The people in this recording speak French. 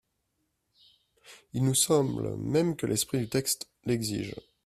Il nous semble même que l’esprit du texte l’exige.